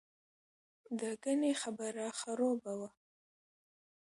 دګنې خبره خروبه وه.